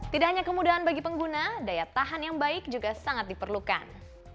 tidak hanya kemudahan bagi pengguna daya tahan yang baik juga sangat diperlukan